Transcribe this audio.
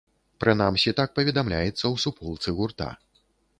Прынамсі так паведамляецца ў суполцы гурта.